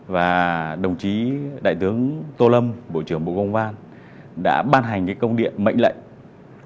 và đồng chí đại tướng tô lâm bộ trưởng bộ công an đã ban hành công điện mạnh lạc